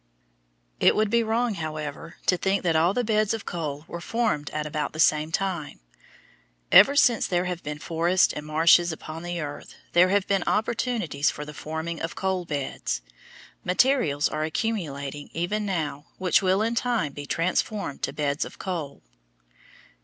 It would be wrong, however, to think that all the beds of coal were formed at about the same time. Ever since there have been forests and marshes upon the earth there have been opportunities for the forming of coal beds. Materials are accumulating even now which will in time be transformed to beds of coal.